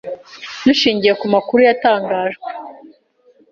dushingiye ku makuru yatangajwe